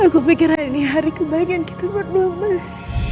aku pikir hari ini hari kebaikan kita berdua mas